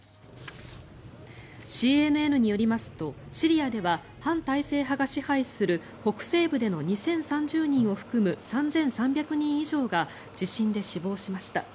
ＣＮＮによりますとシリアでは反体制派が支配する北西部での２０３０人を含む３３００人以上が地震で死亡しました。